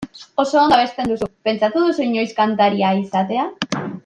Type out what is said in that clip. Oso ondo abesten duzu, pentsatu duzu inoiz kantaria izatea?